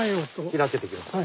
開けてきました。